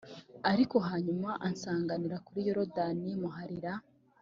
Ariko hanyuma ansanganirira kuri yorodani murahira